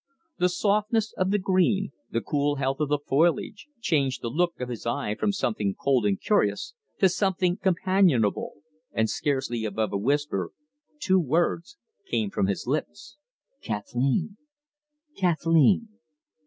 The softness of the green, the cool health of the foliage, changed the look of his eye from something cold and curious to something companionable, and scarcely above a whisper two words came from his lips: "Kathleen! Kathleen!"